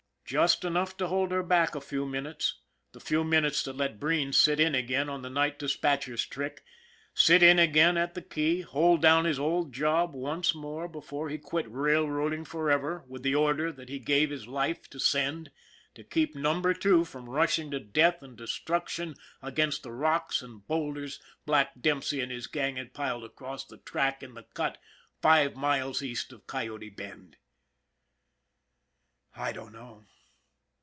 Just enough to hold her back a few minutes, the few minutes that let Breen sit in again on the night dispatcher's trick, sit in again at the key, hold down his old job once more before he quit railroading forever with the order that he gave his life to send, to keep Number Two from rushing to death and destruction against the rocks and boulders Black Dempsey and his gang had piled across the track in the Cut five miles east of Coyote Bend. I don't know.